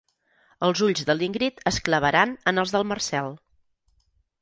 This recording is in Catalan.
Els ulls de l'Ingrid es clavaran en els del Marcel.